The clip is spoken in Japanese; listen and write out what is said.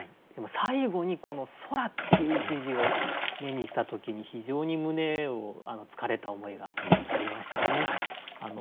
でも最後に「空」っていう１字を目にした時に非常に胸をつかれた思いがありましたね。